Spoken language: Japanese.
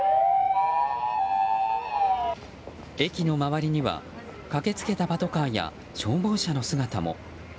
駅の周りには駆けつけたパトカーや消防車の姿も。